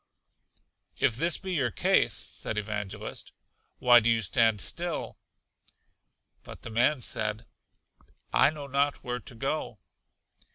If this be your case, said Evangelist, why do you stand still? But the man said, I know not where to go.